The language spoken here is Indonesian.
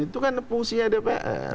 itu kan fungsinya dpr